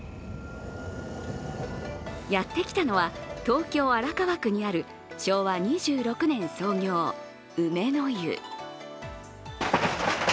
やってきたのは、東京・荒川区にある昭和２６年創業、梅の湯。